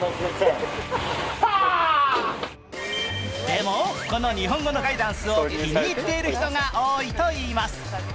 でも、この日本語のガイダンスを気に入っている人が多いといいます。